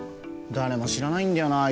誰も知らないんだよなあ